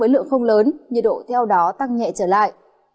lượng không lớn nhiệt độ theo đó tăng nhẹ trở lại